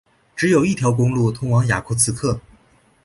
只有一条公路通往雅库茨克。